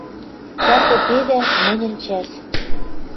Тӓ попедӓ, мӹньӹн чӓс.